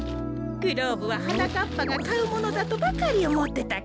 グローブははなかっぱがかうものだとばかりおもってたから。